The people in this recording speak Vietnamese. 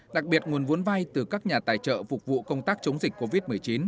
đặc biệt nguồn vốn vay từ các nhà tài trợ phục vụ công tác chống dịch covid một mươi chín